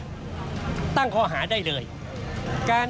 ส่วนต่างกระโบนการ